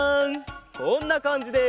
こんなかんじです！